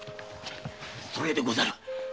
それでござる。